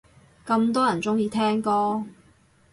咁多人鍾意聽歌